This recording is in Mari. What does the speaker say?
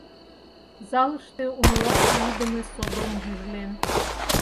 Залыште умылаш лийдыме содом гӱжлен.